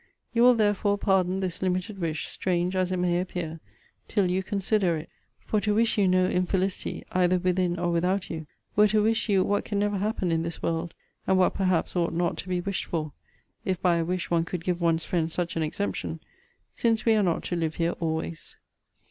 You will, therefore, pardon this limited wish, strange as it may appear, till you consider it: for to wish you no infelicity, either within or without you, were to wish you what can never happen in this world; and what perhaps ought not to be wished for, if by a wish one could give one's friend such an exemption; since we are not to live here always.